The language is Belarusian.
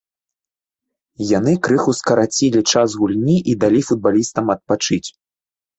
Яны крыху скарацілі час гульні і далі футбалістам адпачыць.